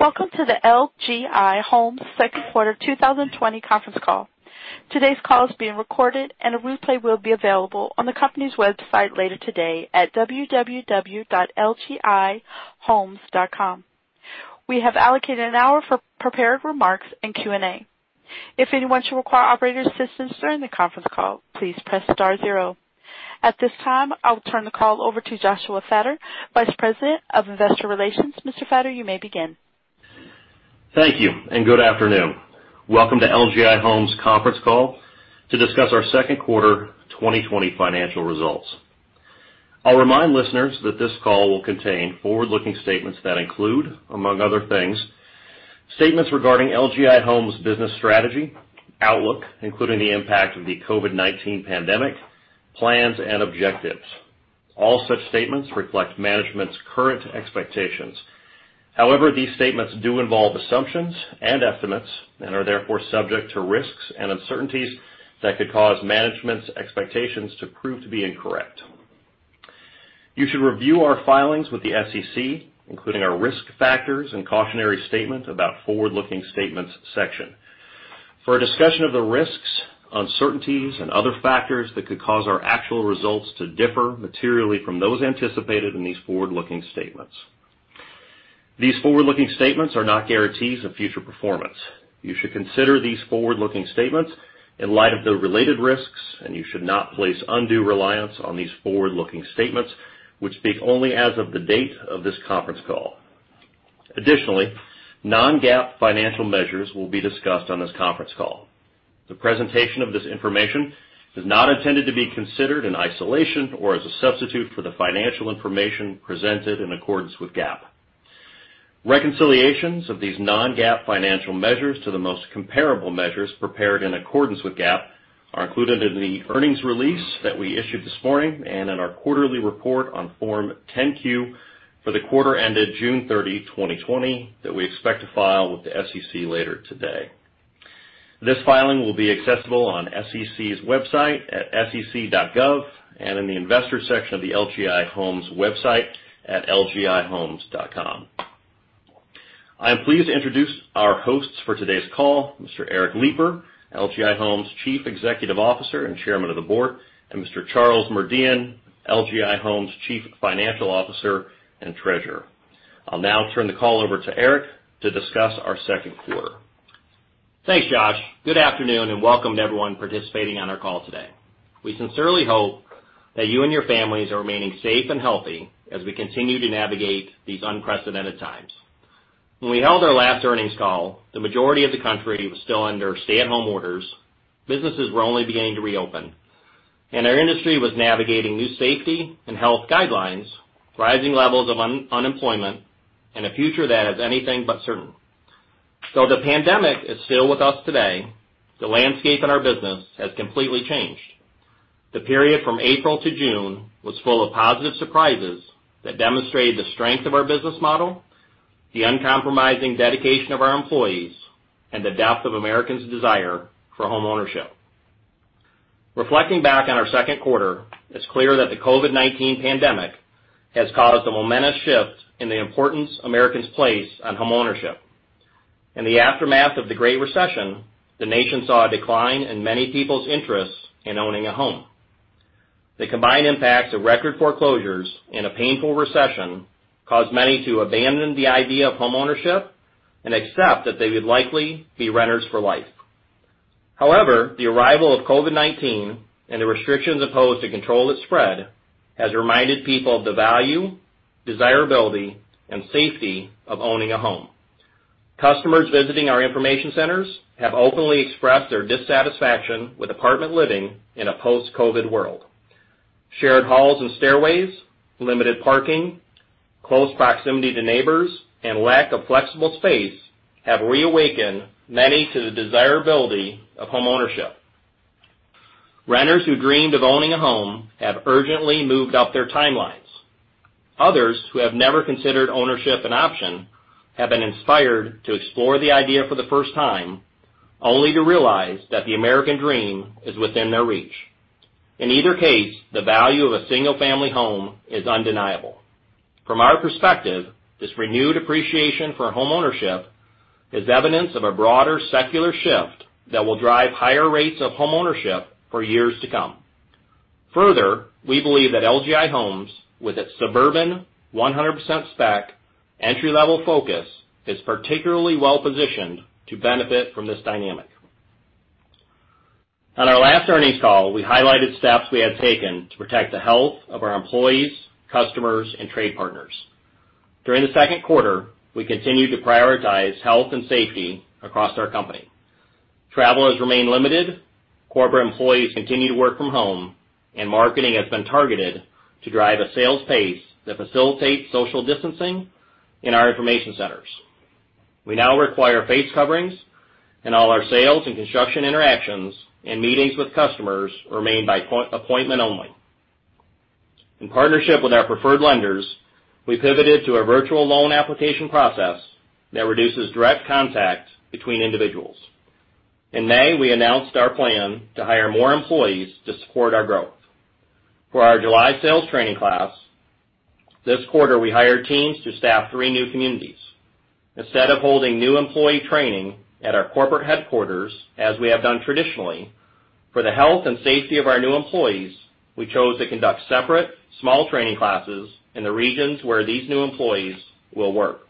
Welcome to the LGI Homes second quarter 2020 conference call. Today's call is being recorded and a replay will be available on the company's website later today at www.lgihomes.com. We have allocated an hour for prepared remarks and Q&A. If anyone should require operator assistance during the conference call, please press star zero. At this time, I'll turn the call over to Joshua Fattor, Vice President of Investor Relations. Mr. Fattor, you may begin. Thank you and good afternoon. Welcome to LGI Homes conference call to discuss our second quarter 2020 financial results. I'll remind listeners that this call will contain forward-looking statements that include, among other things, statements regarding LGI Homes business strategy, outlook, including the impact of the COVID-19 pandemic, plans and objectives. All such statements reflect management's current expectations. However, these statements do involve assumptions and estimates and are therefore subject to risks and uncertainties that could cause management's expectations to prove to be incorrect. You should review our filings with the SEC, including our risk factors and cautionary statement about forward-looking statements section for a discussion of the risks, uncertainties, and other factors that could cause our actual results to differ materially from those anticipated in these forward-looking statements. These forward-looking statements are not guarantees of future performance. You should consider these forward-looking statements in light of the related risks, and you should not place undue reliance on these forward-looking statements, which speak only as of the date of this conference call. Additionally, non-GAAP financial measures will be discussed on this conference call. The presentation of this information is not intended to be considered in isolation or as a substitute for the financial information presented in accordance with GAAP. Reconciliations of these non-GAAP financial measures to the most comparable measures prepared in accordance with GAAP are included in the earnings release that we issued this morning and in our quarterly report on Form 10-Q for the quarter ended June 30, 2020, that we expect to file with the SEC later today. This filing will be accessible on SEC's website at sec.gov and in the investor section of the LGI Homes website at lgihomes.com. I am pleased to introduce our hosts for today's call, Mr. Eric Lipar, LGI Homes Chief Executive Officer and Chairman of the Board, and Mr. Charles Merdian, LGI Homes Chief Financial Officer and Treasurer. I'll now turn the call over to Eric to discuss our second quarter. Thanks, Josh. Good afternoon and welcome to everyone participating on our call today. We sincerely hope that you and your families are remaining safe and healthy as we continue to navigate these unprecedented times. When we held our last earnings call, the majority of the country was still under stay-at-home orders. Businesses were only beginning to reopen, and our industry was navigating new safety and health guidelines, rising levels of unemployment, and a future that is anything but certain. Though the pandemic is still with us today, the landscape in our business has completely changed. The period from April to June was full of positive surprises that demonstrated the strength of our business model, the uncompromising dedication of our employees, and the depth of Americans' desire for homeownership. Reflecting back on our second quarter, it's clear that the COVID-19 pandemic has caused a momentous shift in the importance Americans place on homeownership. In the aftermath of the Great Recession, the nation saw a decline in many people's interests in owning a home. The combined impacts of record foreclosures and a painful recession caused many to abandon the idea of homeownership and accept that they would likely be renters for life. However, the arrival of COVID-19 and the restrictions imposed to control its spread has reminded people of the value, desirability, and safety of owning a home. Customers visiting our information centers have openly expressed their dissatisfaction with apartment living in a post-COVID world. Shared halls and stairways, limited parking, close proximity to neighbors, and lack of flexible space have reawakened many to the desirability of homeownership. Renters who dreamed of owning a home have urgently moved up their timelines. Others who have never considered ownership an option have been inspired to explore the idea for the first time, only to realize that the American dream is within their reach. In either case, the value of a single-family home is undeniable. From our perspective, this renewed appreciation for homeownership is evidence of a broader secular shift that will drive higher rates of homeownership for years to come. We believe that LGI Homes, with its suburban 100% spec entry-level focus, is particularly well-positioned to benefit from this dynamic. On our last earnings call, we highlighted steps we had taken to protect the health of our employees, customers, and trade partners. During the second quarter, we continued to prioritize health and safety across our company. Travel has remained limited, corporate employees continue to work from home, and marketing has been targeted to drive a sales pace that facilitates social distancing in our information centers. We now require face coverings, and all our sales and construction interactions and meetings with customers remain by appointment only. In partnership with our preferred lenders, we pivoted to a virtual loan application process that reduces direct contact between individuals. In May, we announced our plan to hire more employees to support our growth. For our July sales training class, this quarter, we hired teams to staff three new communities. Instead of holding new employee training at our corporate headquarters, as we have done traditionally, for the health and safety of our new employees, we chose to conduct separate small training classes in the regions where these new employees will work.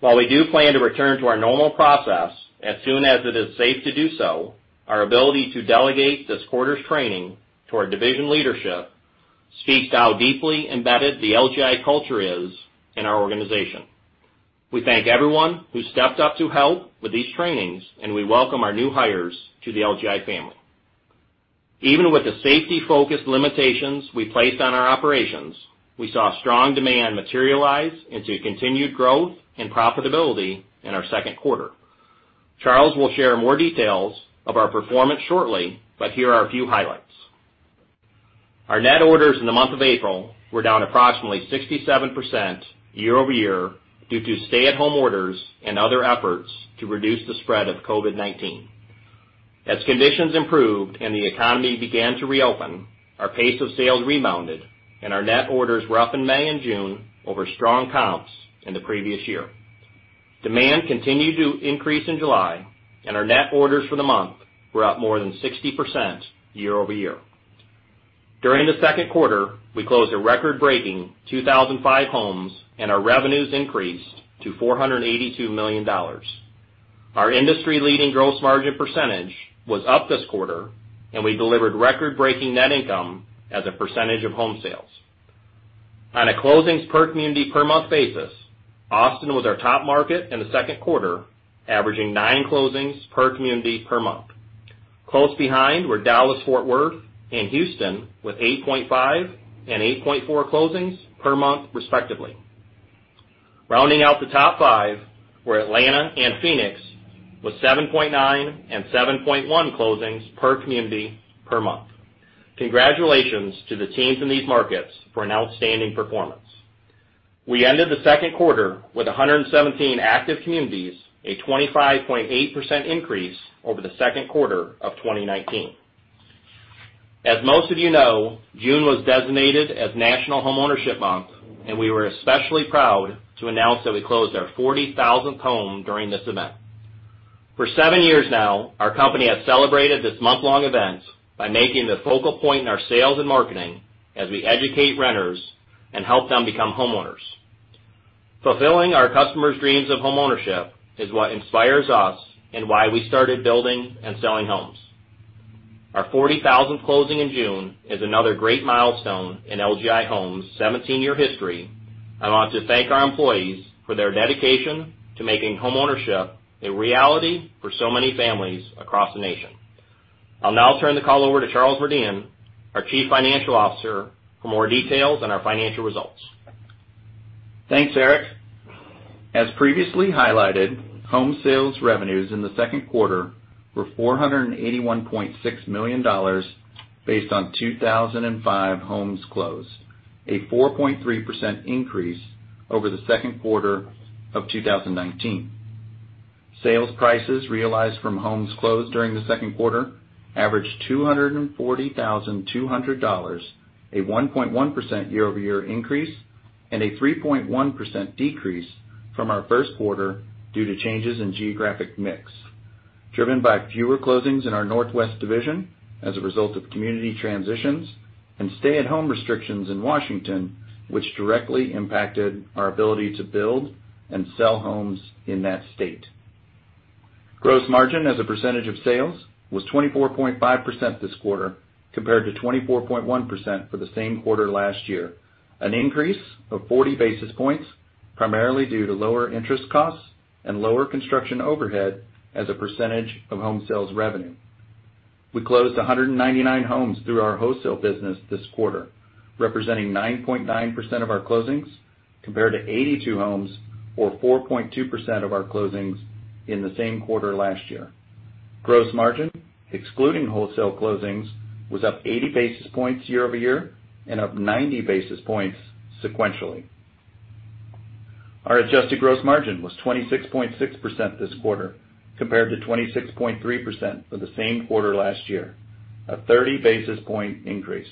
While we do plan to return to our normal process as soon as it is safe to do so, our ability to delegate this quarter's training to our division leadership speaks to how deeply embedded the LGI culture is in our organization. We thank everyone who stepped up to help with these trainings, and we welcome our new hires to the LGI family. Even with the safety-focused limitations we placed on our operations, we saw strong demand materialize into continued growth and profitability in our second quarter. Charles will share more details of our performance shortly, but here are a few highlights. Our net orders in the month of April were down approximately 67% year-over-year due to stay-at-home orders and other efforts to reduce the spread of COVID-19. As conditions improved and the economy began to reopen, our pace of sales rebounded, and our net orders were up in May and June over strong comps in the previous year. Demand continued to increase in July, and our net orders for the month were up more than 60% year-over-year. During the second quarter, we closed a record-breaking 2,005 homes, and our revenues increased to $482 million. Our industry-leading gross margin percentage was up this quarter, and we delivered record-breaking net income as a percentage of home sales. On a closings per community per month basis, Austin was our top market in the second quarter, averaging nine closings per community per month. Close behind were Dallas-Fort Worth and Houston with 8.5 and 8.4 closings per month respectively. Rounding out the top five were Atlanta and Phoenix with 7.9 and 7.1 closings per community per month. Congratulations to the teams in these markets for an outstanding performance. We ended the second quarter with 117 active communities, a 25.8% increase over the second quarter of 2019. As most of you know, June was designated as National Homeownership Month. We were especially proud to announce that we closed our 40,000th home during this event. For seven years now, our company has celebrated this month-long event by making the focal point in our sales and marketing as we educate renters and help them become homeowners. Fulfilling our customer's dreams of homeownership is what inspires us and why we started building and selling homes. Our 40,000th closing in June is another great milestone in LGI Homes' 17-year history. I want to thank our employees for their dedication to making homeownership a reality for so many families across the nation. I'll now turn the call over to Charles Merdian, our Chief Financial Officer, for more details on our financial results. Thanks, Eric. As previously highlighted, home sales revenues in the second quarter were $481.6 million based on 2,005 homes closed, a 4.3% increase over the second quarter of 2019. Sales prices realized from homes closed during the second quarter averaged $240,200, a 1.1% year-over-year increase and a 3.1% decrease from our first quarter due to changes in geographic mix, driven by fewer closings in our Northwest Division as a result of community transitions and stay-at-home restrictions in Washington, which directly impacted our ability to build and sell homes in that state. Gross margin as a percentage of sales was 24.5% this quarter, compared to 24.1% for the same quarter last year, an increase of 40 basis points, primarily due to lower interest costs and lower construction overhead as a percentage of home sales revenue. We closed 199 homes through our wholesale business this quarter, representing 9.9% of our closings, compared to 82 homes or 4.2% of our closings in the same quarter last year. Gross margin, excluding wholesale closings, was up 80 basis points year-over-year and up 90 basis points sequentially. Our adjusted gross margin was 26.6% this quarter, compared to 26.3% for the same quarter last year, a 30 basis point increase.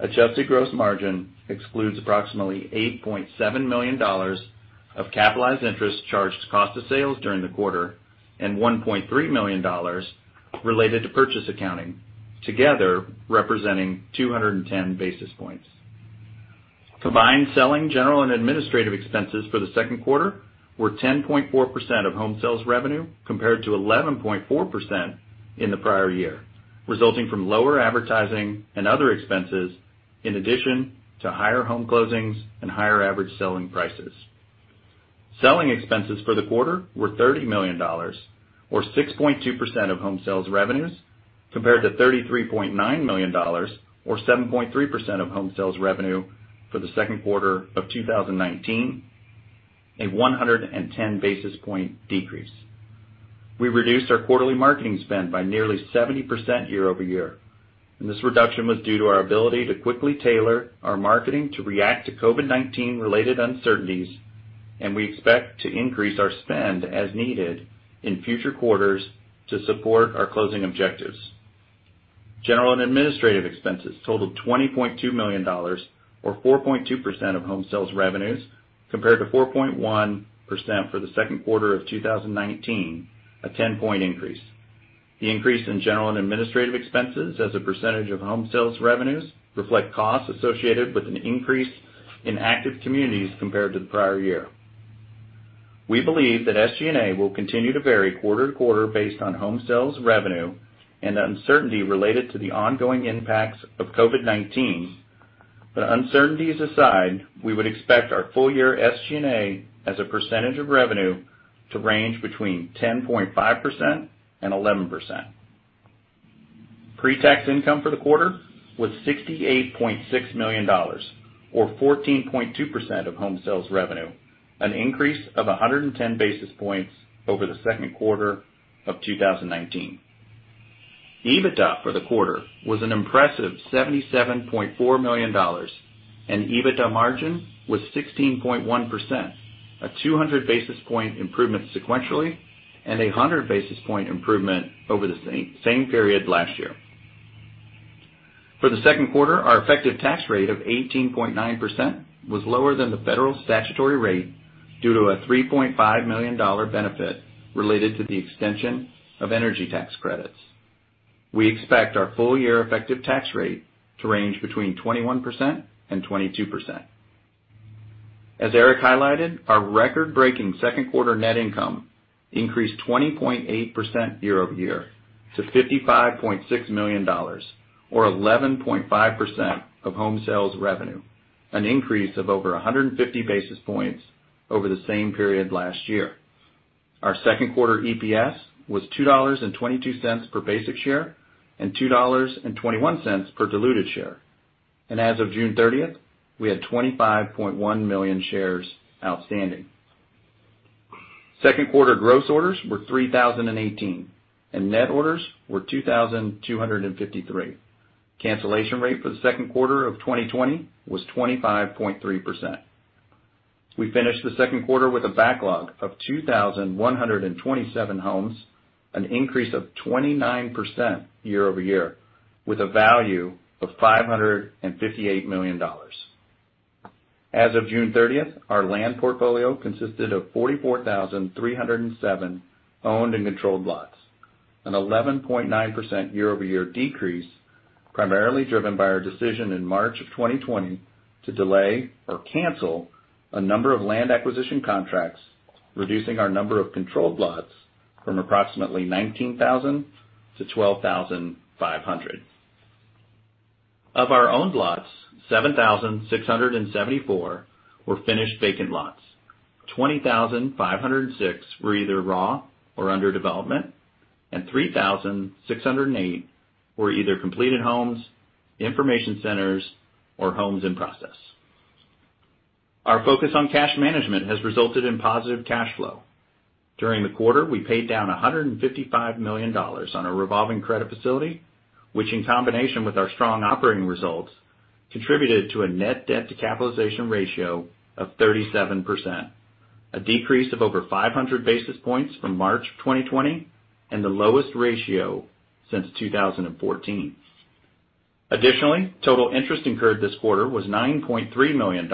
Adjusted gross margin excludes approximately $8.7 million of capitalized interest charged to cost of sales during the quarter and $1.3 million related to purchase accounting, together representing 210 basis points. Combined selling general and administrative expenses for the second quarter were 10.4% of home sales revenue, compared to 11.4% in the prior year, resulting from lower advertising and other expenses in addition to higher home closings and higher average selling prices. Selling expenses for the quarter were $30 million, or 6.2% of home sales revenues, compared to $33.9 million, or 7.3% of home sales revenue for the second quarter of 2019, a 110 basis point decrease. We reduced our quarterly marketing spend by nearly 70% year-over-year, and this reduction was due to our ability to quickly tailor our marketing to react to COVID-19 related uncertainties. We expect to increase our spend as needed in future quarters to support our closing objectives. General and administrative expenses totaled $20.2 million, or 4.2% of home sales revenues, compared to 4.1% for the second quarter of 2019, a 10-point increase. The increase in general and administrative expenses as a percentage of home sales revenues reflect costs associated with an increase in active communities compared to the prior year. We believe that SG&A will continue to vary quarter to quarter based on home sales revenue and the uncertainty related to the ongoing impacts of COVID-19. Uncertainties aside, we would expect our full-year SG&A as a percentage of revenue to range between 10.5% and 11%. Pre-tax income for the quarter was $68.6 million, or 14.2% of home sales revenue, an increase of 110 basis points over the second quarter of 2019. EBITDA for the quarter was an impressive $77.4 million, and EBITDA margin was 16.1%, a 200 basis point improvement sequentially and a 100 basis point improvement over the same period last year. For the second quarter, our effective tax rate of 18.9% was lower than the federal statutory rate due to a $3.5 million benefit related to the extension of energy tax credits. We expect our full-year effective tax rate to range between 21% and 22%. As Eric highlighted, our record-breaking second quarter net income increased 20.8% year-over-year to $55.6 million, or 11.5% of home sales revenue, an increase of over 150 basis points over the same period last year. Our second quarter EPS was $2.22 per basic share and $2.21 per diluted share. As of June 30th, we had 25.1 million shares outstanding. Second quarter gross orders were 3,018, and net orders were 2,253. Cancellation rate for the second quarter of 2020 was 25.3%. We finished the second quarter with a backlog of 2,127 homes, an increase of 29% year-over-year, with a value of $558 million. As of June 30th, our land portfolio consisted of 44,307 owned and controlled lots, an 11.9% year-over-year decrease, primarily driven by our decision in March of 2020 to delay or cancel a number of land acquisition contracts, reducing our number of controlled lots from approximately 19,000 to 12,500. Of our owned lots, 7,674 were finished vacant lots, 20,506 were either raw or under development, and 3,608 were either completed homes, information centers, or homes in process. Our focus on cash management has resulted in positive cash flow. During the quarter, we paid down $155 million on a revolving credit facility, which, in combination with our strong operating results, contributed to a net debt to capitalization ratio of 37%, a decrease of over 500 basis points from March 2020, and the lowest ratio since 2014. Additionally, total interest incurred this quarter was $9.3 million,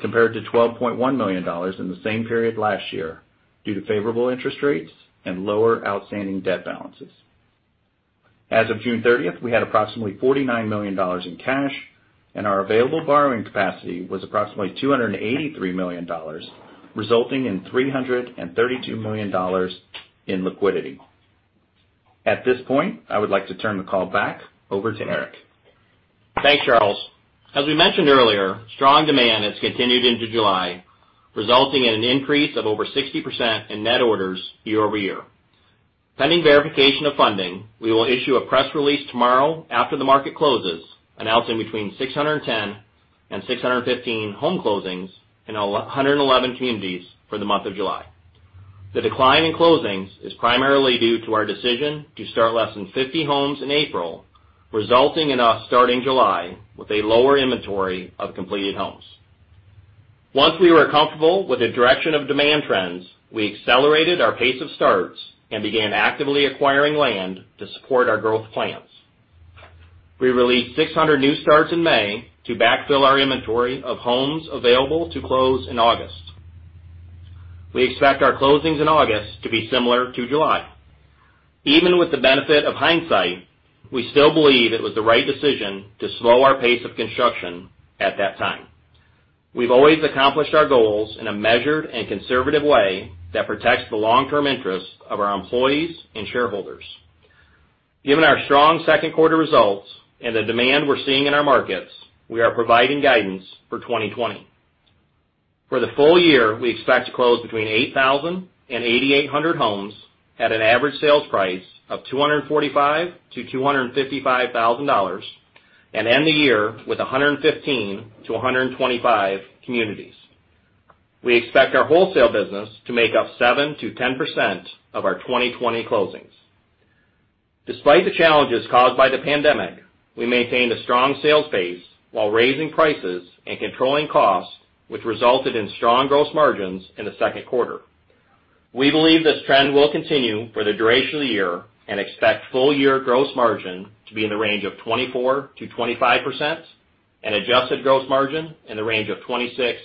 compared to $12.1 million in the same period last year, due to favorable interest rates and lower outstanding debt balances. As of June 30th, we had approximately $49 million in cash, and our available borrowing capacity was approximately $283 million, resulting in $332 million in liquidity. At this point, I would like to turn the call back over to Eric. Thanks, Charles. As we mentioned earlier, strong demand has continued into July, resulting in an increase of over 60% in net orders year-over-year. Pending verification of funding, we will issue a press release tomorrow after the market closes, announcing between 610 and 615 home closings in 111 communities for the month of July. The decline in closings is primarily due to our decision to start less than 50 homes in April, resulting in us starting July with a lower inventory of completed homes. Once we were comfortable with the direction of demand trends, we accelerated our pace of starts and began actively acquiring land to support our growth plans. We released 600 new starts in May to backfill our inventory of homes available to close in August. We expect our closings in August to be similar to July. Even with the benefit of hindsight, we still believe it was the right decision to slow our pace of construction at that time. We've always accomplished our goals in a measured and conservative way that protects the long-term interests of our employees and shareholders. Given our strong second quarter results and the demand we're seeing in our markets, we are providing guidance for 2020. For the full year, we expect to close between 8,000 and 8,800 homes at an average sales price of $245,000-$255,000 and end the year with 115 to 125 communities. We expect our wholesale business to make up 7%-10% of our 2020 closings. Despite the challenges caused by the pandemic, we maintained a strong sales pace while raising prices and controlling costs, which resulted in strong gross margins in the second quarter. We believe this trend will continue for the duration of the year and expect full-year gross margin to be in the range of 24%-25% and adjusted gross margin in the range of 26%-27%.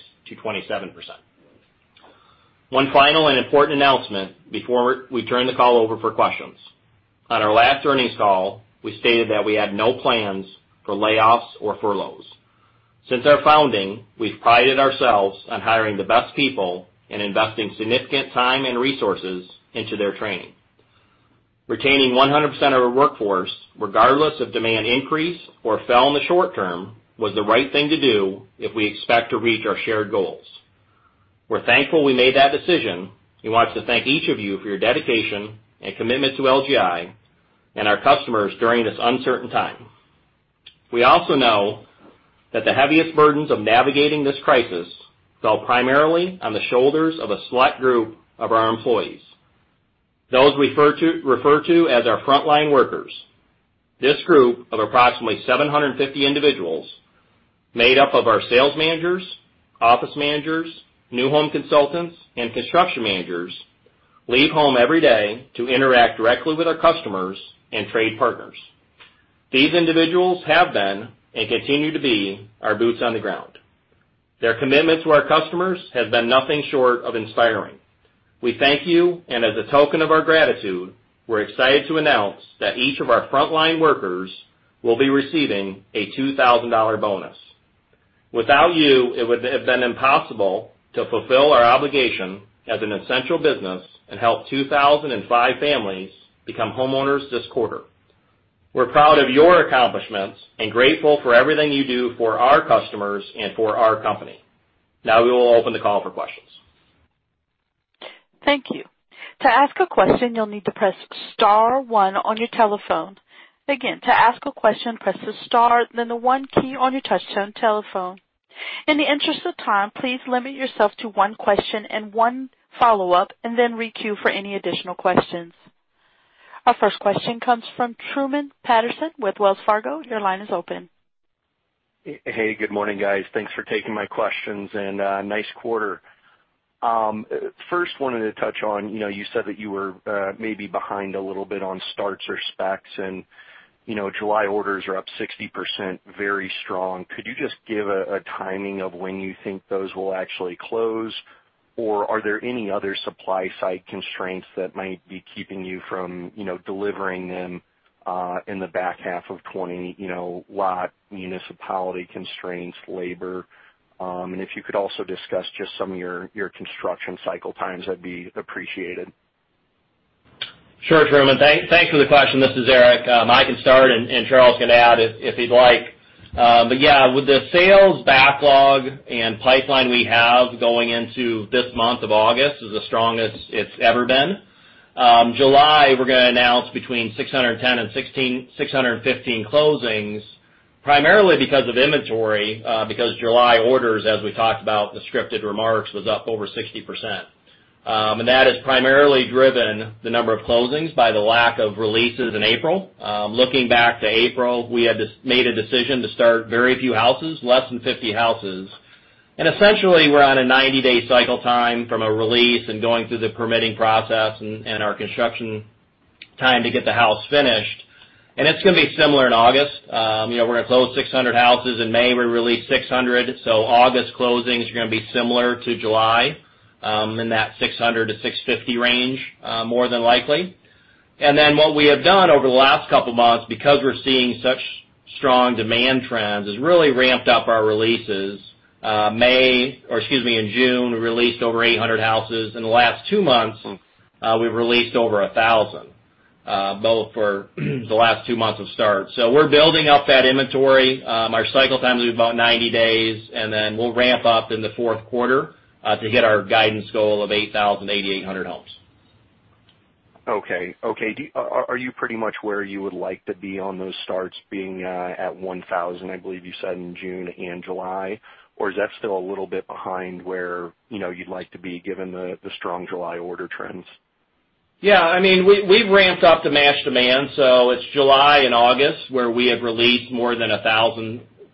One final and important announcement before we turn the call over for questions. On our last earnings call, we stated that we had no plans for layoffs or furloughs. Since our founding, we've prided ourselves on hiring the best people and investing significant time and resources into their training. Retaining 100% of our workforce, regardless of demand increase or fall in the short term, was the right thing to do if we expect to reach our shared goals. We're thankful we made that decision. We want to thank each of you for your dedication and commitment to LGI and our customers during this uncertain time. We also know that the heaviest burdens of navigating this crisis fell primarily on the shoulders of a select group of our employees, those referred to as our frontline workers. This group of approximately 750 individuals, made up of our sales managers, office managers, new home consultants, and construction managers, leave home every day to interact directly with our customers and trade partners. These individuals have been, and continue to be, our boots on the ground. Their commitment to our customers has been nothing short of inspiring. We thank you, and as a token of our gratitude, we're excited to announce that each of our frontline workers will be receiving a $2,000 bonus. Without you, it would have been impossible to fulfill our obligation as an essential business and help 2,005 families become homeowners this quarter. We're proud of your accomplishments and grateful for everything you do for our customers and for our company. Now, we will open the call for questions. Thank you. To ask a question, you'll need to press star one on your telephone. Again, to ask a question, press the star, then the one key on your touchtone telephone. In the interest of time, please limit yourself to one question and one follow-up, and then re-queue for any additional questions. Our first question comes from Truman Patterson with Wells Fargo. Your line is open. Hey, good morning, guys. Thanks for taking my questions, and nice quarter. First, wanted to touch on, you said that you were maybe behind a little bit on starts or specs, and July orders are up 60%, very strong. Could you just give a timing of when you think those will actually close? Are there any other supply side constraints that might be keeping you from delivering them in the back half of 2020, lot, municipality constraints, labor? If you could also discuss just some of your construction cycle times, that'd be appreciated. Sure, Truman. Thanks for the question. This is Eric. I can start, and Charles can add if he'd like. Yeah, with the sales backlog and pipeline we have going into this month of August is the strongest it's ever been. July, we're going to announce between 610 and 615 closings, primarily because of inventory, because July orders, as we talked about in the scripted remarks, was up over 60%. That has primarily driven the number of closings by the lack of releases in April. Looking back to April, we had made a decision to start very few houses, less than 50 houses. Essentially, we're on a 90-day cycle time from a release and going through the permitting process and our construction time to get the house finished. It's going to be similar in August. We're going to close 600 houses. In May, we released 600. August closings are going to be similar to July, in that 600 to 650 range, more than likely. What we have done over the last couple of months, because we're seeing such strong demand trends, is really ramped up our releases. May, or excuse me, in June, we released over 800 houses. In the last two months, we've released over 1,000, both for the last two months of starts. We're building up that inventory. Our cycle time is about 90 days, and then we'll ramp up in the fourth quarter to hit our guidance goal of 8,000 to 8,800 homes. Okay. Are you pretty much where you would like to be on those starts being at 1,000, I believe you said, in June and July? Or is that still a little bit behind where you'd like to be, given the strong July order trends? We've ramped up to match demand, so it's July and August where we have released more than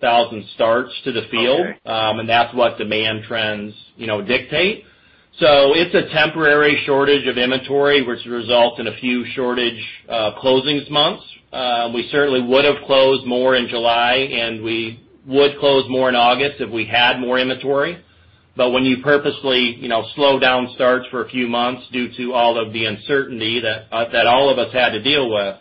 1,000 starts to the field. Okay. That's what demand trends dictate. It's a temporary shortage of inventory, which results in a few shortage closings months. We certainly would have closed more in July, and we would close more in August if we had more inventory. When you purposely slow down starts for a few months due to all of the uncertainty that all of us had to deal with,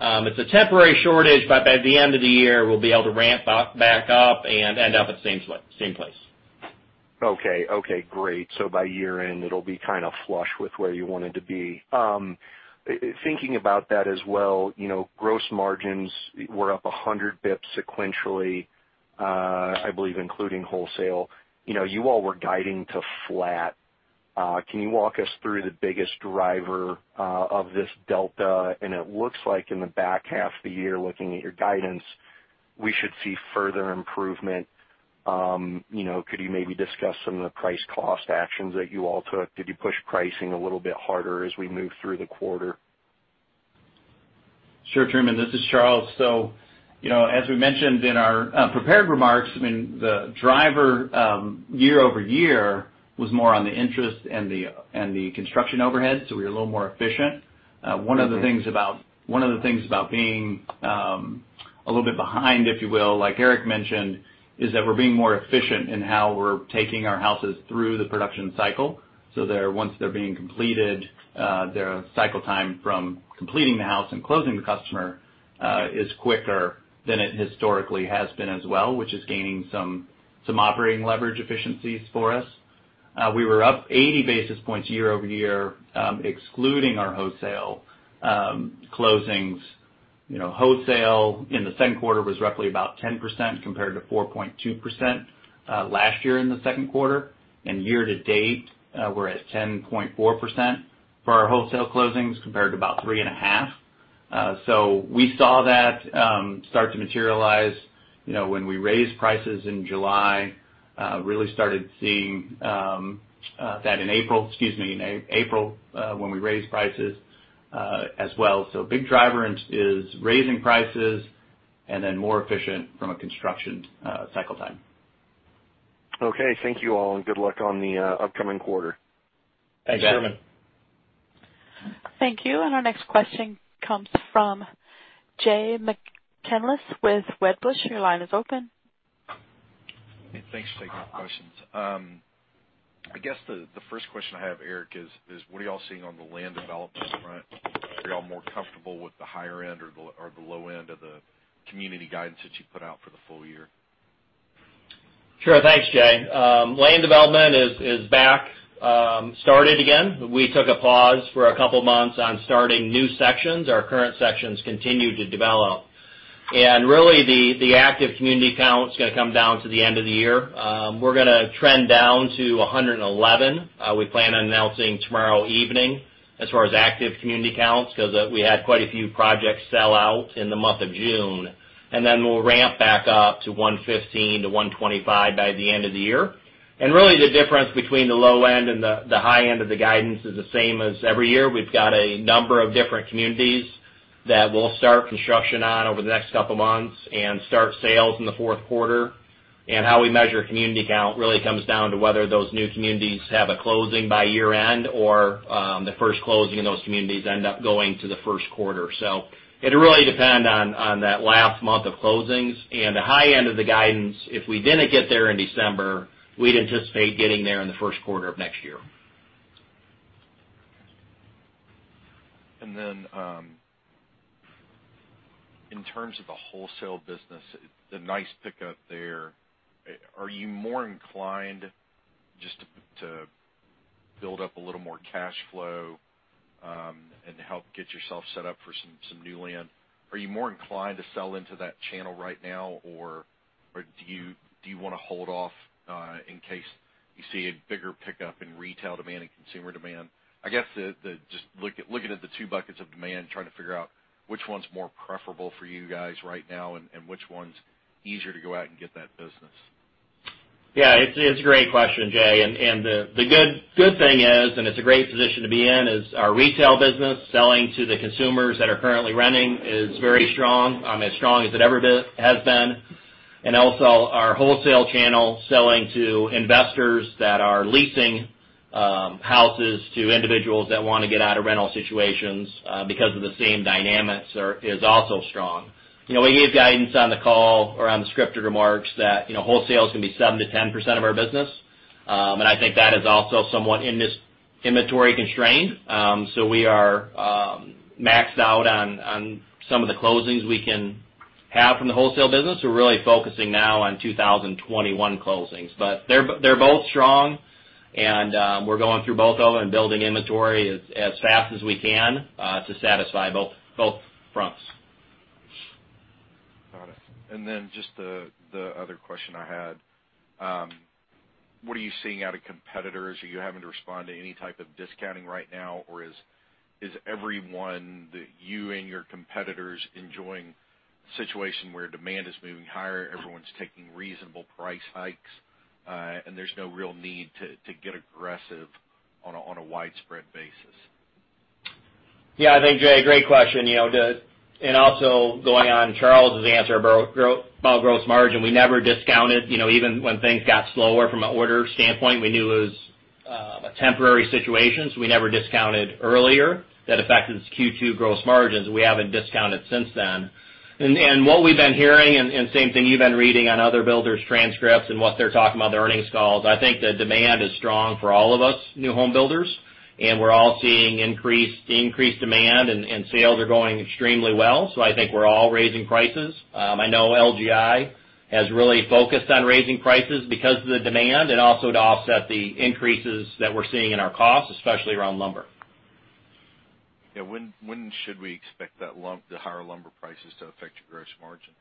it's a temporary shortage, but by the end of the year, we'll be able to ramp back up and end up at the same place. Okay, great. By year-end, it'll be kind of flush with where you wanted to be. Thinking about that as well, gross margins were up 100 basis points sequentially, I believe, including wholesale. You all were guiding to flat. Can you walk us through the biggest driver of this delta? It looks like in the back half of the year, looking at your guidance. We should see further improvement. Could you maybe discuss some of the price cost actions that you all took? Did you push pricing a little bit harder as we moved through the quarter? Sure, Truman, this is Charles. As we mentioned in our prepared remarks, the driver year-over-year was more on the interest and the construction overhead, so we were a little more efficient. Okay. One of the things about being a little bit behind, if you will, like Eric mentioned, is that we're being more efficient in how we're taking our houses through the production cycle. Once they're being completed, their cycle time from completing the house and closing the customer is quicker than it historically has been as well, which is gaining some operating leverage efficiencies for us. We were up 80 basis points year-over-year, excluding our wholesale closings. Wholesale in the second quarter was roughly about 10% compared to 4.2% last year in the second quarter. Year-to-date, we're at 10.4% for our wholesale closings compared to about 3.5%. We saw that start to materialize when we raised prices in July. Really started seeing that in April, excuse me, in April, when we raised prices as well. A big driver is raising prices and then more efficient from a construction cycle time. Okay, thank you all, and good luck on the upcoming quarter. Thanks, Truman. Thank you. Our next question comes from Jay McCanless with Wedbush. Your line is open. Thanks. Thanks for taking my questions. I guess the first question I have, Eric, is what are y'all seeing on the land development front? Are y'all more comfortable with the higher end or the low end of the community guidance that you put out for the full year? Sure. Thanks, Jay. Land development is back started again. We took a pause for a couple of months on starting new sections. Our current sections continue to develop. Really, the active community count's going to come down to the end of the year. We're going to trend down to 111. We plan on announcing tomorrow evening as far as active community counts, because we had quite a few projects sell out in the month of June. Then we'll ramp back up to 115-125 by the end of the year. Really, the difference between the low end and the high end of the guidance is the same as every year. We've got a number of different communities that we'll start construction on over the next couple of months and start sales in the fourth quarter. How we measure community count really comes down to whether those new communities have a closing by year end or the first closing in those communities end up going to the first quarter. It'll really depend on that last month of closings. The high end of the guidance, if we didn't get there in December, we'd anticipate getting there in the first quarter of next year. In terms of the wholesale business, the nice pickup there. Are you more inclined just to build up a little more cash flow, and help get yourself set up for some new land? Are you more inclined to sell into that channel right now, or do you want to hold off, in case you see a bigger pickup in retail demand and consumer demand? I guess just looking at the two buckets of demand, trying to figure out which one's more preferable for you guys right now, and which one's easier to go out and get that business. Yeah, it's a great question, Jay. The good thing is, and it's a great position to be in, is our retail business selling to the consumers that are currently renting is very strong, as strong as it ever has been. Also our wholesale channel selling to investors that are leasing houses to individuals that want to get out of rental situations because of the same dynamics is also strong. We gave guidance on the call or on the scripted remarks that wholesale is going to be 7%-10% of our business. I think that is also somewhat inventory constrained. We are maxed out on some of the closings we can have from the wholesale business. We're really focusing now on 2021 closings. They're both strong and we're going through both of them and building inventory as fast as we can to satisfy both fronts. Got it. Just the other question I had, what are you seeing out of competitors? Are you having to respond to any type of discounting right now? Is everyone that you and your competitors enjoying a situation where demand is moving higher, everyone's taking reasonable price hikes, and there's no real need to get aggressive on a widespread basis? I think, Jay McCanless, great question. Also going on Charles Merdian's answer about gross margin, we never discounted, even when things got slower from an order standpoint, we knew it was a temporary situation, so we never discounted earlier. That affected Q2 gross margins, and we haven't discounted since then. What we've been hearing, and same thing you've been reading on other builders' transcripts and what they're talking about in their earnings calls, I think the demand is strong for all of us new home builders, and we're all seeing increased demand, and sales are going extremely well. I think we're all raising prices. I know LGI has really focused on raising prices because of the demand and also to offset the increases that we're seeing in our costs, especially around lumber. Yeah. When should we expect the higher lumber prices to affect your gross margin?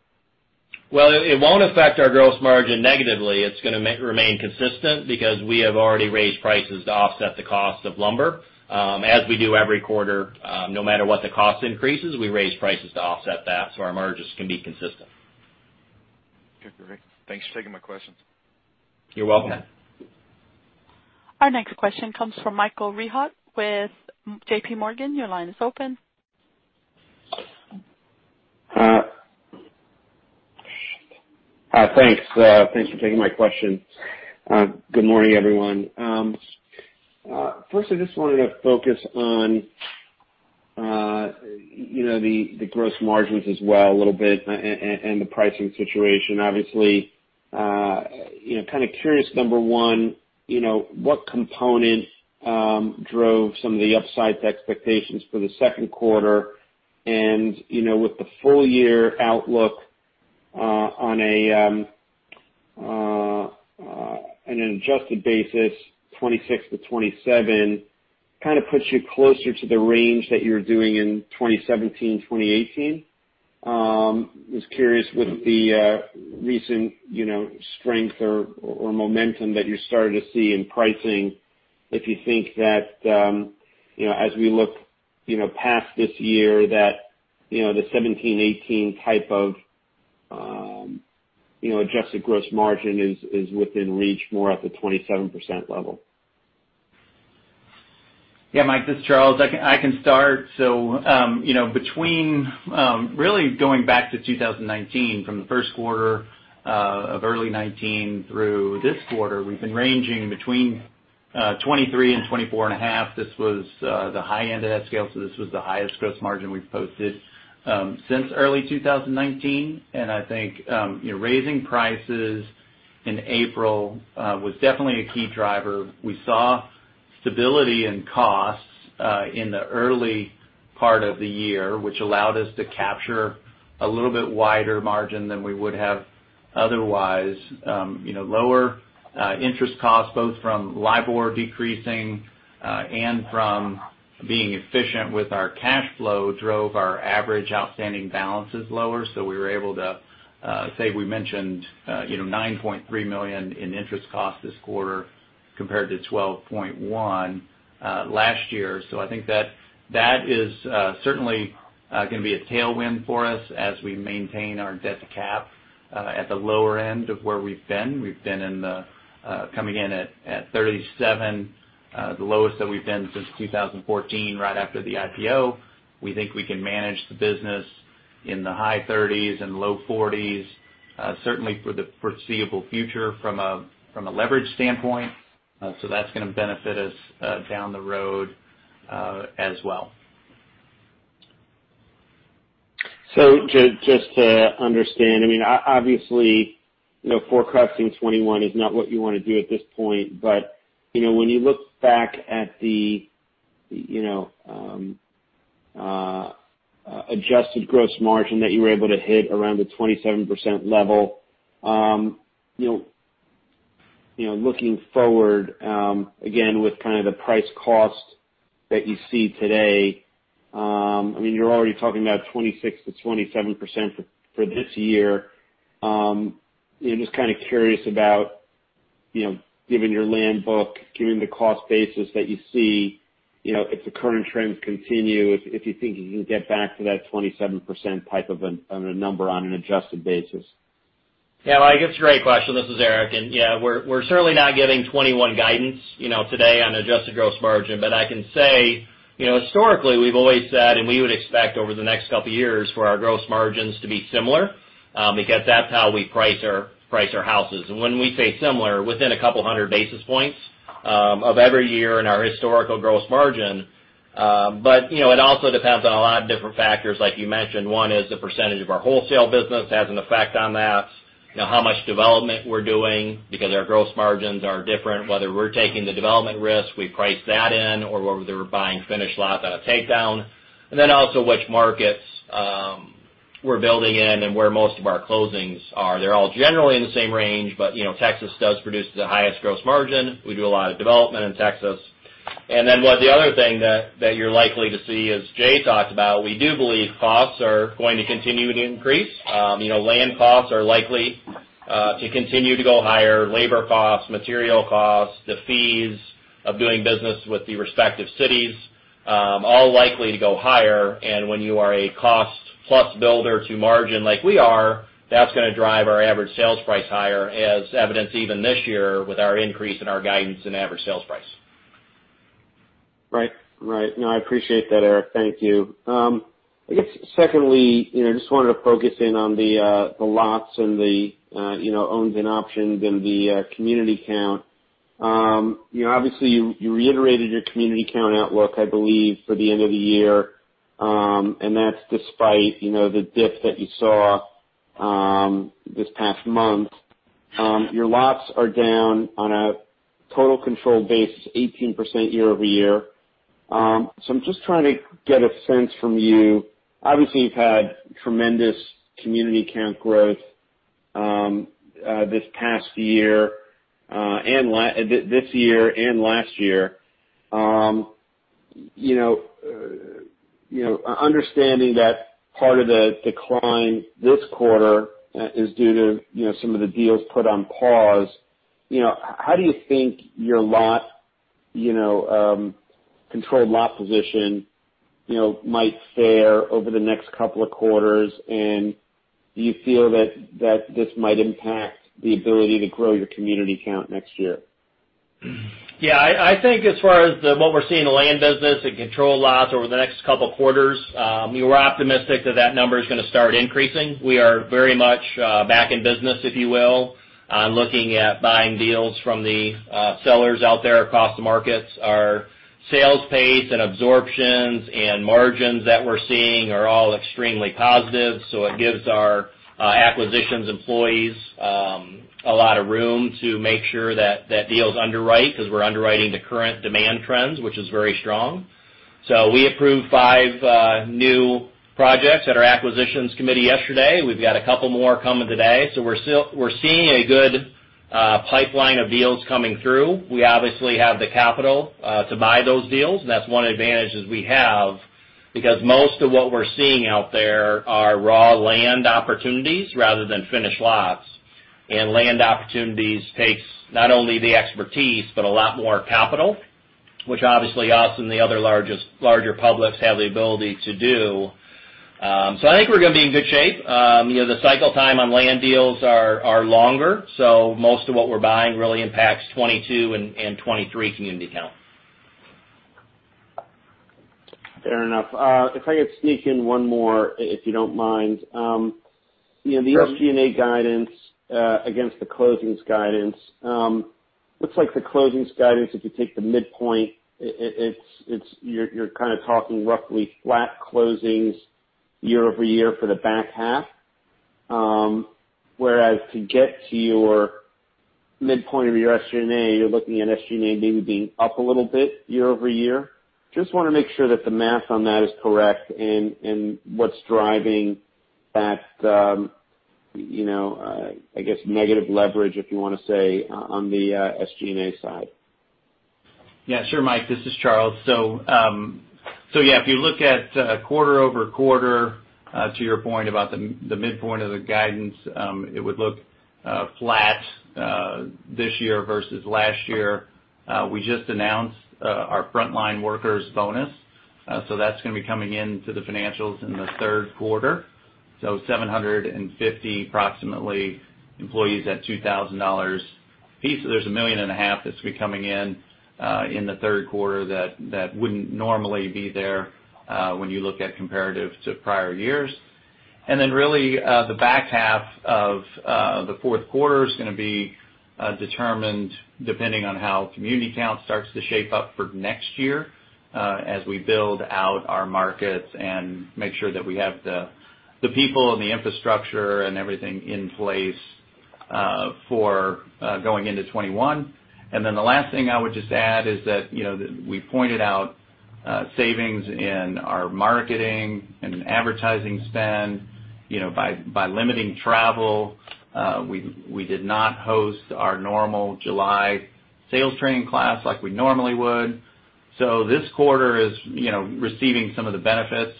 It won't affect our gross margin negatively. It's going to remain consistent because we have already raised prices to offset the cost of lumber. As we do every quarter, no matter what the cost increases, we raise prices to offset that so our margins can be consistent. Okay, great. Thanks for taking my questions. You're welcome. Our next question comes from Michael Rehaut with JPMorgan. Your line is open. Thanks for taking my question. Good morning, everyone. First, I just wanted to focus on the gross margins as well a little bit and the pricing situation, obviously. Kind of curious, number one, what component drove some of the upside to expectations for the second quarter? With the full year outlook on an adjusted basis, 26%-27%, kind of puts you closer to the range that you were doing in 2017, 2018. I was curious with the recent strength or momentum that you're starting to see in pricing, if you think that as we look past this year, that the 2017, 2018 type of adjusted gross margin is within reach, more at the 27% level. Yeah, Mike, this is Charles. I can start. Really going back to 2019, from the first quarter of early 2019 through this quarter, we've been ranging between 23% and 24.5%. This was the high end of that scale, so this was the highest gross margin we've posted since early 2019, and I think raising prices in April was definitely a key driver. We saw stability in costs in the early part of the year, which allowed us to capture a little bit wider margin than we would have otherwise. Lower interest costs, both from LIBOR decreasing and from being efficient with our cash flow, drove our average outstanding balances lower. We were able to say we mentioned, $9.3 million in interest costs this quarter compared to $12.1 last year. I think that is certainly going to be a tailwind for us as we maintain our debt to cap at the lower end of where we've been. We've been coming in at 37, the lowest that we've been since 2014, right after the IPO. We think we can manage the business in the high 30s and low 40s, certainly for the foreseeable future from a leverage standpoint. That's going to benefit us down the road as well. Just to understand, obviously forecasting 2021 is not what you want to do at this point, when you look back at the adjusted gross margin that you were able to hit around the 27% level. Looking forward, again, with kind of the price cost that you see today, you're already talking about 26%-27% for this year. Just kind of curious about, given your land book, given the cost basis that you see, if the current trends continue, if you think you can get back to that 27% type of a number on an adjusted basis. Yeah. Mike, it's a great question. This is Eric. Yeah, we're certainly not giving 2021 guidance today on adjusted gross margin. I can say historically, we've always said, and we would expect over the next couple of years for our gross margins to be similar because that's how we price our houses. When we say similar, within 200 basis points of every year in our historical gross margin. It also depends on a lot of different factors. Like you mentioned, one is the percentage of our wholesale business has an effect on that. How much development we're doing, because our gross margins are different whether we're taking the development risk, we price that in, or whether we're buying finished lots at a takedown. Also which markets we're building in and where most of our closings are. They're all generally in the same range, but Texas does produce the highest gross margin. We do a lot of development in Texas. The other thing that you're likely to see, as Jay talked about, we do believe costs are going to continue to increase. Land costs are likely to continue to go higher. Labor costs, material costs, the fees of doing business with the respective cities all likely to go higher. When you are a cost-plus builder to margin like we are, that's going to drive our average sales price higher, as evidenced even this year with our increase in our guidance and average sales price. Right. No, I appreciate that, Eric. Thank you. I guess secondly, just wanted to focus in on the lots and the owns and options and the community count. Obviously, you reiterated your community count outlook, I believe, for the end of the year. That's despite the dip that you saw this past month. Your lots are down on a total control basis, 18% year-over-year. I'm just trying to get a sense from you. Obviously, you've had tremendous community count growth this past year and this year and last year. Understanding that part of the decline this quarter is due to some of the deals put on pause, how do you think your controlled lot position might fare over the next couple of quarters? Do you feel that this might impact the ability to grow your community count next year? Yeah, I think as far as what we're seeing in the land business and controlled lots over the next couple of quarters, we're optimistic that that number is going to start increasing. We are very much back in business, if you will, on looking at buying deals from the sellers out there across the markets. Our sales pace and absorptions and margins that we're seeing are all extremely positive. It gives our acquisitions employees a lot of room to make sure that that deal is underwritten, because we're underwriting to current demand trends, which is very strong. We approved five new projects at our acquisitions committee yesterday. We've got a couple more coming today. We're seeing a good pipeline of deals coming through. We obviously have the capital to buy those deals. That's one of the advantages we have, because most of what we're seeing out there are raw land opportunities rather than finished lots. Land opportunities takes not only the expertise but a lot more capital, which obviously us and the other larger publics have the ability to do. I think we're going to be in good shape. The cycle time on land deals are longer, so most of what we're buying really impacts 2022 and 2023 community count. Fair enough. If I could sneak in one more, if you don't mind. Sure. The SG&A guidance against the closings guidance. Looks like the closings guidance, if you take the midpoint, you're kind of talking roughly flat closings year-over-year for the back half. Whereas to get to your midpoint of your SG&A, you're looking at SG&A maybe being up a little bit year-over-year. Just want to make sure that the math on that is correct and what's driving that, I guess, negative leverage, if you want to say, on the SG&A side. Yeah, sure, Mike, this is Charles. Yeah, if you look at quarter-over-quarter, to your point about the midpoint of the guidance, it would look flat this year versus last year. We just announced our frontline workers bonus. That's going to be coming into the financials in the third quarter. 750, approximately, employees at $2,000 a piece. There's $1.5 million that's going to be coming in the third quarter that wouldn't normally be there when you look at comparative to prior years. Really, the back half of the fourth quarter is going to be determined depending on how community count starts to shape up for next year as we build out our markets and make sure that we have the people and the infrastructure and everything in place for going into 2021. The last thing I would just add is that we pointed out savings in our marketing and advertising spend by limiting travel. We did not host our normal July sales training class like we normally would. This quarter is receiving some of the benefits,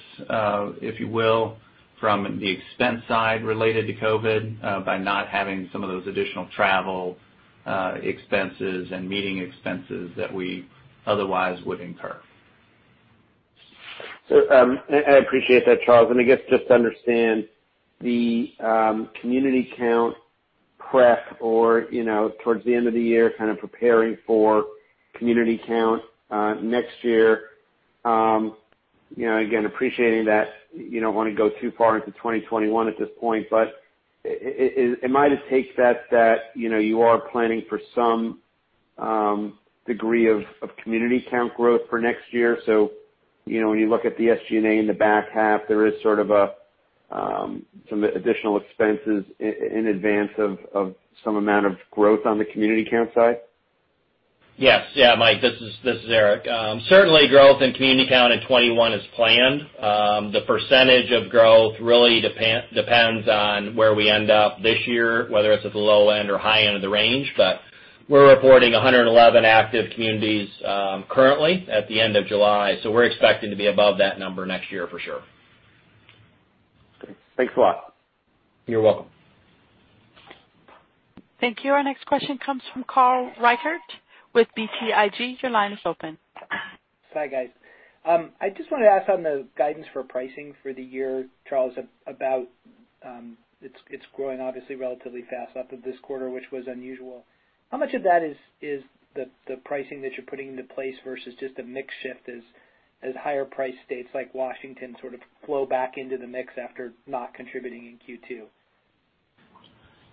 if you will, from the expense side related to COVID by not having some of those additional travel expenses and meeting expenses that we otherwise would incur. I appreciate that, Charles, and I guess just to understand the community count prep or towards the end of the year, kind of preparing for community count next year. Again, appreciating that you don't want to go too far into 2021 at this point, but am I to take that you are planning for some degree of community count growth for next year? When you look at the SG&A in the back half, there is sort of some additional expenses in advance of some amount of growth on the community count side? Yes. Yeah, Mike, this is Eric. Certainly, growth in community count in 2021 is planned. The percentage of growth really depends on where we end up this year, whether it's at the low end or high end of the range. We're reporting 111 active communities currently at the end of July. We're expecting to be above that number next year for sure. Great. Thanks a lot. You're welcome. Thank you. Our next question comes from Carl Reichardt with BTIG. Your line is open. Hi, guys. I just wanted to ask on the guidance for pricing for the year, Charles, about it's growing obviously relatively fast off of this quarter, which was unusual. How much of that is the pricing that you're putting into place versus just a mix shift as higher price states like Washington sort of flow back into the mix after not contributing in Q2?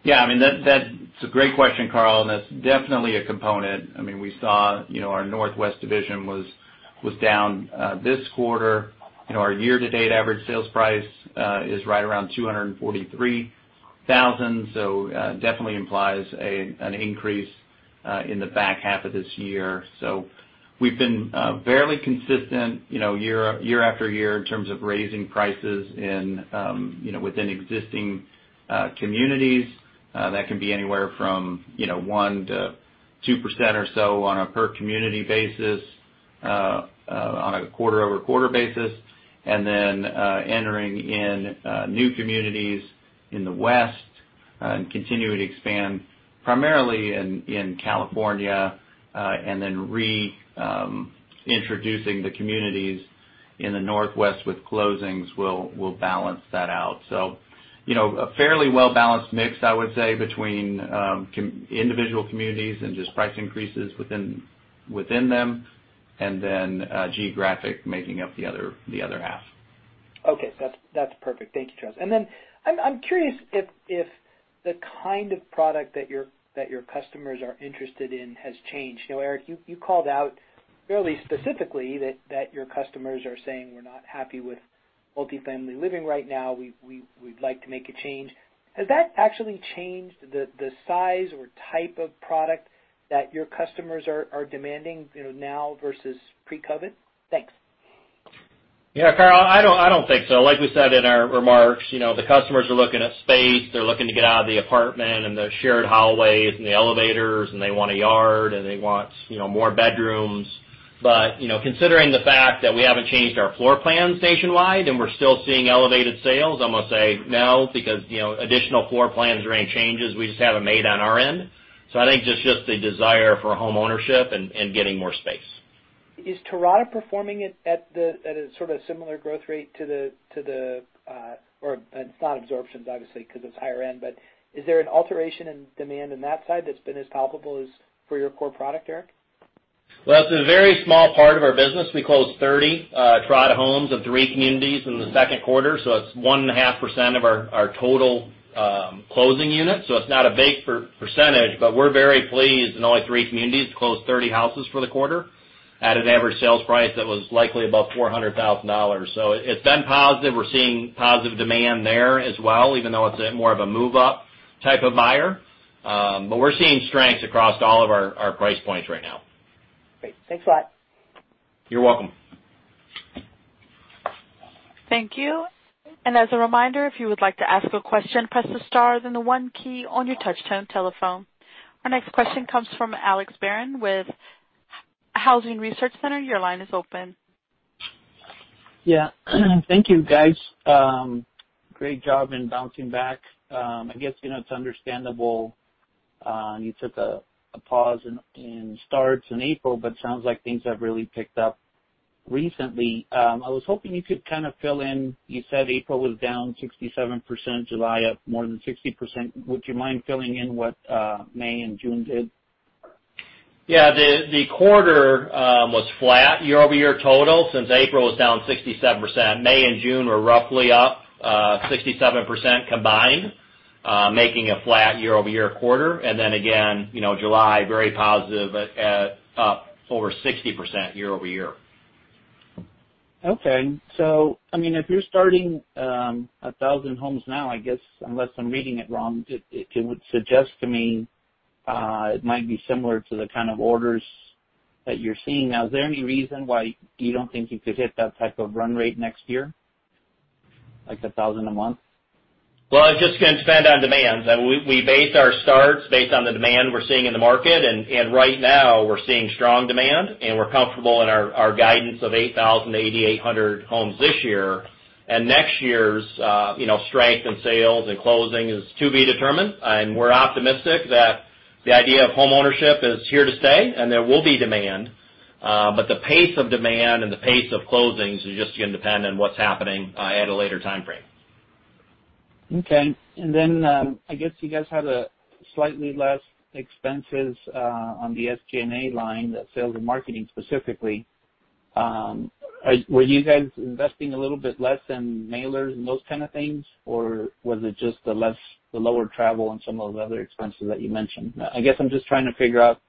Yeah, that's a great question, Carl, and that's definitely a component. We saw our Northwest division was down this quarter. Our year-to-date average sales price is right around $243,000, so definitely implies an increase in the back half of this year. We've been fairly consistent year-after-year in terms of raising prices within existing communities. That can be anywhere from 1%-2% or so on a per community basis, on a quarter-over-quarter basis, and then entering in new communities in the West and continuing to expand primarily in California, and then reintroducing the communities in the Northwest with closings will balance that out. A fairly well-balanced mix, I would say, between individual communities and just price increases within them, and then geographic making up the other half. Okay. That's perfect. Thank you, Charles. I'm curious if the kind of product that your customers are interested in has changed. Eric, you called out fairly specifically that your customers are saying, "We're not happy with multifamily living right now. We'd like to make a change." Has that actually changed the size or type of product that your customers are demanding now versus pre-COVID-19? Thanks. Yeah, Carl, I don't think so. Like we said in our remarks, the customers are looking at space. They're looking to get out of the apartment and the shared hallways and the elevators, and they want a yard, and they want more bedrooms. Considering the fact that we haven't changed our floor plans nationwide, and we're still seeing elevated sales, I'm going to say no because additional floor plans or any changes, we just haven't made on our end. I think just the desire for homeownership and getting more space. Is Terrata performing at a sort of similar growth rate to the Or it's not absorptions obviously, because it's higher end, but is there an alteration in demand on that side that's been as palpable as for your core product, Eric? Well, it's a very small part of our business. We closed 30 Terrata Homes of three communities in the second quarter, so it's 1.5% of our total closing units. It's not a big percentage, but we're very pleased in only three communities to close 30 houses for the quarter at an average sales price that was likely above $400,000. It's been positive. We're seeing positive demand there as well, even though it's more of a move-up type of buyer. We're seeing strength across all of our price points right now. Great. Thanks a lot. You're welcome. Thank you. As a reminder, if you would like to ask a question, press the star, then the one key on your touchtone telephone. Our next question comes from Alex Barron with Housing Research Center. Your line is open. Yeah. Thank you, guys. Great job in bouncing back. I guess it's understandable you took a pause in starts in April, but sounds like things have really picked up recently. I was hoping you could kind of fill in, you said April was down 67%, July up more than 60%. Would you mind filling in what May and June did? Yeah. The quarter was flat year-over-year total since April was down 67%. May and June were roughly up 67% combined, making a flat year-over-year quarter. Again, July very positive at up over 60% year-over-year. If you're starting 1,000 homes now, I guess, unless I'm reading it wrong, it would suggest to me it might be similar to the kind of orders that you're seeing now. Is there any reason why you don't think you could hit that type of run rate next year, like 1,000 a month? Well, it's just going to depend on demand. We base our starts based on the demand we're seeing in the market. Right now, we're seeing strong demand, and we're comfortable in our guidance of 8,000-8,800 homes this year. Next year's strength in sales and closing is to be determined. We're optimistic that the idea of homeownership is here to stay, and there will be demand. The pace of demand and the pace of closings is just going to depend on what's happening at a later timeframe. Okay. I guess you guys had slightly less expenses on the SG&A line, the sales and marketing specifically. Were you guys investing a little bit less in mailers and those kind of things, or was it just the lower travel and some of those other expenses that you mentioned? I guess I'm just trying to figure out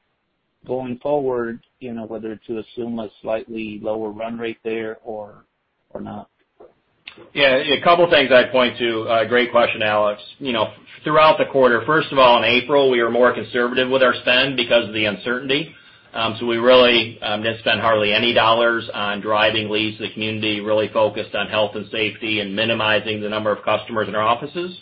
going forward, whether to assume a slightly lower run rate there or not. A couple of things I'd point to. Great question, Alex. Throughout the quarter, first of all, in April, we were more conservative with our spend because of the uncertainty. We really didn't spend hardly any dollars on driving leads to the community, really focused on health and safety and minimizing the number of customers in our offices.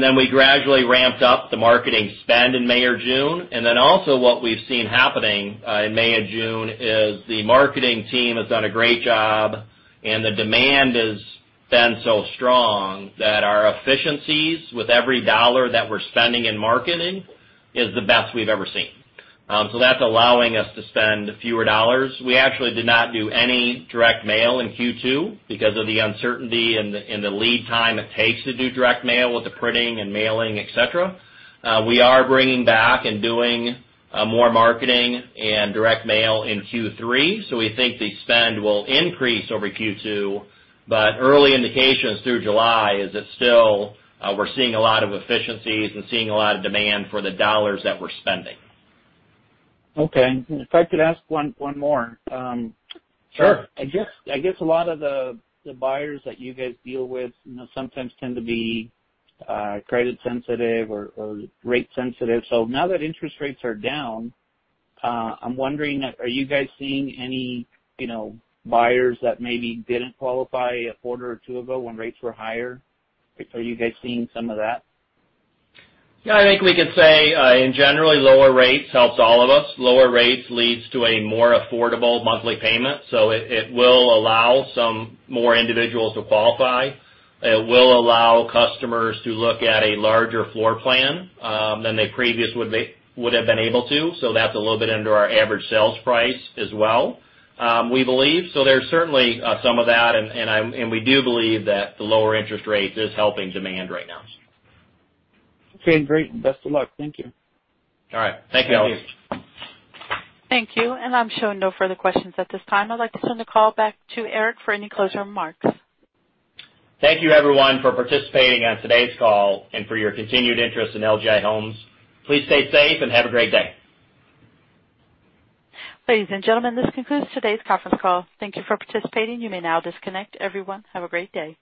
Then we gradually ramped up the marketing spend in May or June. Then also what we've seen happening in May and June is the marketing team has done a great job, and the demand has been so strong that our efficiencies with every dollar that we're spending in marketing is the best we've ever seen. That's allowing us to spend fewer dollars. We actually did not do any direct mail in Q2 because of the uncertainty and the lead time it takes to do direct mail with the printing and mailing, et cetera. We are bringing back and doing more marketing and direct mail in Q3. We think the spend will increase over Q2. Early indications through July is that still we're seeing a lot of efficiencies and seeing a lot of demand for the dollars that we're spending. Okay. If I could ask one more. Sure. I guess a lot of the buyers that you guys deal with sometimes tend to be credit sensitive or rate sensitive. Now that interest rates are down, I'm wondering, are you guys seeing any buyers that maybe didn't qualify a quarter or two ago when rates were higher? Are you guys seeing some of that? I think we could say, in general, lower rates helps all of us. Lower rates leads to a more affordable monthly payment. It will allow some more individuals to qualify. It will allow customers to look at a larger floor plan than they previously would have been able to. That's a little bit into our average sales price as well, we believe. There's certainly some of that, and we do believe that the lower interest rate is helping demand right now. Okay, great. Best of luck. Thank you. All right. Thank you, Alex. Thank you. I'm showing no further questions at this time. I'd like to send the call back to Eric for any closing remarks. Thank you, everyone, for participating on today's call and for your continued interest in LGI Homes. Please stay safe and have a great day. Ladies and gentlemen, this concludes today's conference call. Thank you for participating. You may now disconnect. Everyone, have a great day.